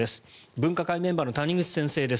分科会メンバーの谷口先生です。